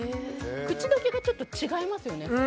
口どけがちょっと違いますよね。